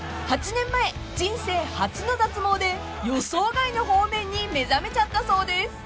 ［８年前人生初の脱毛で予想外の方面に目覚めちゃったそうです］